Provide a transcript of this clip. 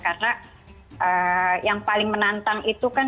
karena yang paling menantang itu kan